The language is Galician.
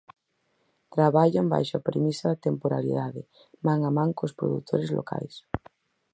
Traballan baixo a premisa da temporalidade, man a man cos produtores locais.